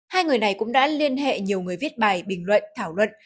hai người này cũng đã liên hệ nhiều người viết bài bình luận thảo luận